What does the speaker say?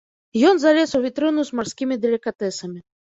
Ён залез у вітрыну з марскімі далікатэсамі.